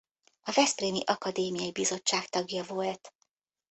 A Veszprémi Akadémiai Bizottság tagja volt.